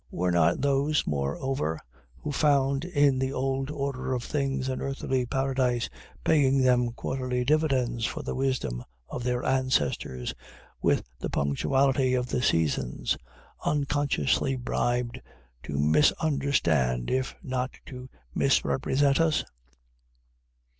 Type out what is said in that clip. Were not those, moreover, who found in the old order of things an earthly paradise, paying them quarterly dividends for the wisdom of their ancestors, with the punctuality of the seasons, unconsciously bribed to misunderstand if not to misrepresent us?